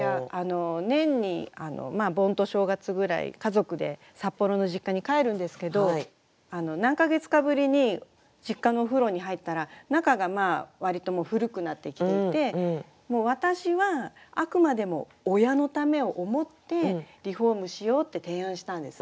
年に盆と正月ぐらい家族で札幌の実家に帰るんですけど何か月かぶりに実家のお風呂に入ったら中が割と古くなってきていてもう私はあくまでも親のためを思ってリフォームしようって提案したんですね。